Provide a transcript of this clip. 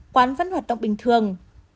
quán vẫn hoạt động bình thường